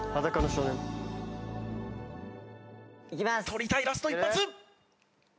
取りたいラスト１発！いきます！